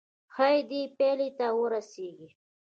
ښايي دې پايلې ته ورسيږئ.